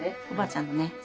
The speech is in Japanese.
おばあちゃんのね